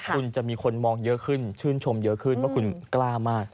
คุณจะมีคนมองเยอะขึ้นชื่นชมเยอะขึ้นว่าคุณกล้ามาก